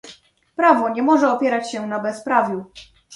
Prawo nie może opierać się na bezprawiu